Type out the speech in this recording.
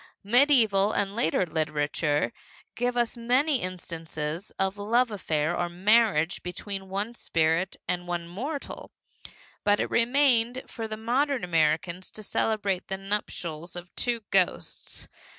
Medieval and later literature gave us many instances of a love affair or marriage between one spirit and one mortal, but it remained for the modern American to celebrate the nuptials of two ghosts.